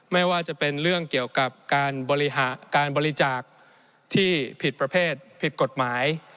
ไม่ว่าจะเป็นเรื่องเกี่ยวกับการบริจาคที่ผิดประเภทผิดกฎหมาย